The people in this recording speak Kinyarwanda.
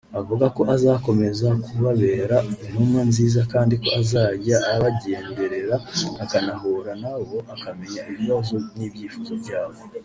avuga ko azakomeza kubabera intumwa nziza kandi ko azajya abagenderera akanahura nabo akamenya ibibazo n’ibyifuzo byabo